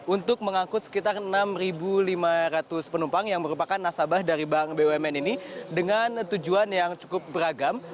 untuk mengangkut sekitar enam lima ratus penumpang yang merupakan nasabah dari bank bumn ini dengan tujuan yang cukup beragam